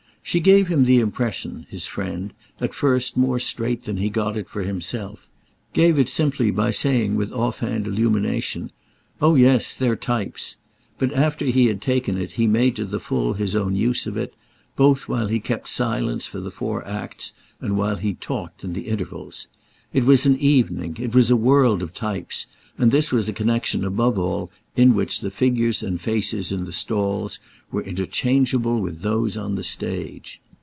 She gave him the impression, his friend, at first, more straight than he got it for himself—gave it simply by saying with off hand illumination: "Oh yes, they're types!"—but after he had taken it he made to the full his own use of it; both while he kept silence for the four acts and while he talked in the intervals. It was an evening, it was a world of types, and this was a connexion above all in which the figures and faces in the stalls were interchangeable with those on the stage.